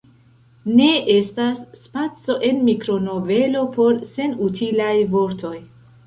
Ne estas spaco en mikronovelo por senutilaj vortoj.